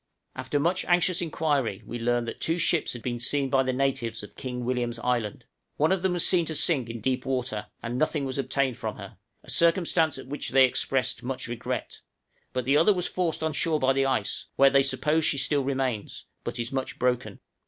} After much anxious inquiry we learned that two ships had been seen by the natives of King William's Island; one of them was seen to sink in deep water, and nothing was obtained from her, a circumstance at which they expressed much regret; but the other was forced on shore by the ice, where they suppose she still remains, but is much broken.